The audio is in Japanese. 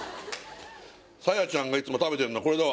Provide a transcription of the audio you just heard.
沙耶ちゃんがいつも食べてるのはこれだわ